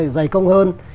giày công hơn